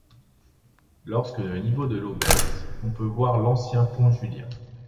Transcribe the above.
Lorsque le niveau de l'eau baisse, on peut voir l'ancien pont Julien.